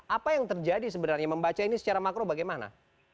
apa yang terjadi sebenarnya membaca ini secara makro bagaimana